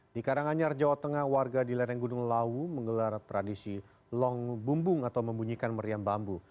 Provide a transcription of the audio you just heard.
di karanganyar jawa tengah warga di lereng gunung lawu menggelar tradisi long bumbung atau membunyikan meriam bambu